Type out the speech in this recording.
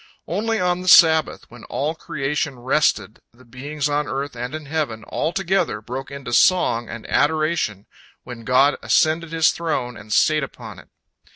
Only on the Sabbath, when all creation rested, the beings on earth and in heaven, all together, broke into song and adoration when God ascended His throne and sate upon it.